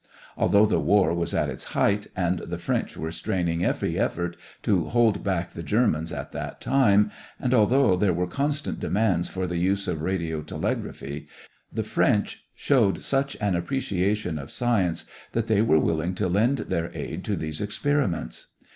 Although the war was at its height, and the French were straining every effort to hold back the Germans at that time, and although there were constant demands for the use of radiotelegraphy, the French showed such an appreciation of science that they were willing to lend their aid to these experiments.